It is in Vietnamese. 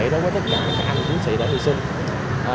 đối với tất cả các anh chiến sĩ đã hy sinh